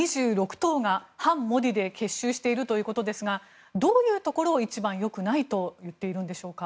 党が反モディで結集しているということですがどういうところを一番よくないと言っているのでしょうか。